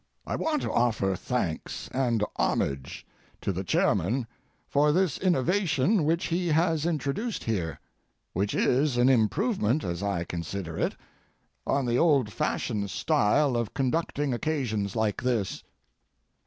I want to offer thanks and homage to the chairman for this innovation which he has introduced here, which is an improvement, as I consider it, on the old fashioned style of conducting occasions like this.